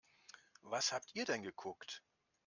Was habt ihr denn geguckt?